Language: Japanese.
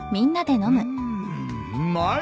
うーんうまい。